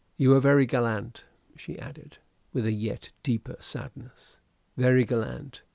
"You are very gallant," she added, with a yet deeper sadness ... "Very gallant